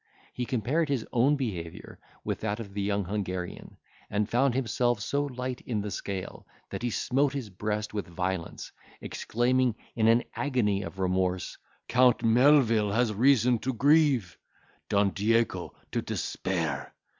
He compared his own behaviour with that of the young Hungarian, and found himself so light in the scale, that he smote his breast with violence, exclaiming in an agony of remorse: "Count Melvil has reason to grieve; Don Diego to despair.